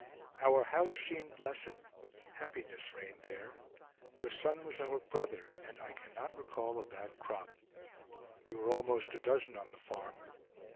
Our house seemed blessed, happiness reigned there. The sun was our brother, and I cannot recall a bad crop. We were almost a dozen on the farm.